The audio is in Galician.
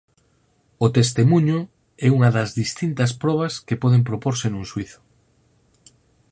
O testemuño é unha das distintas probas que poden proporse nun xuízo.